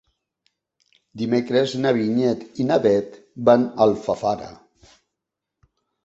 Dimecres na Vinyet i na Bet van a Alfafara.